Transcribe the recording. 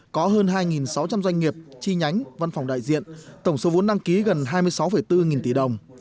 có hơn hai sáu trăm linh doanh nghiệp chi nhánh văn phòng đại diện tổng số vốn đăng ký gần hai mươi sáu bốn nghìn tỷ đồng